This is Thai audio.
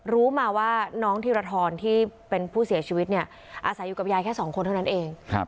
รู้มาว่าน้องธีรทรที่เป็นผู้เสียชีวิตเนี่ยอาศัยอยู่กับยายแค่สองคนเท่านั้นเอง